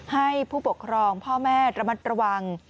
ให้ผู้ปกครองพ่อแม่ระมัดระวัง